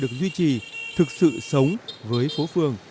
được duy trì thực sự sống với phố phường